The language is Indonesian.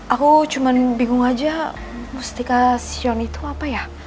aku cuma bingung aja mustika sion itu apa ya